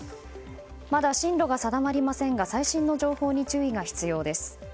まだ進路が定まりませんが最新の情報に注意が必要です。